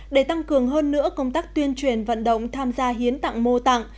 để tăng cường hơn nữa công tác tuyên truyền vận động tham gia hiến tặng mô tặng